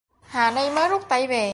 Hà Ni mới rút tay về